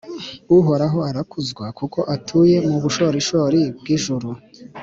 Uhoraho arakuzwa, kuko atuye mu bushorishori bw’ijuru,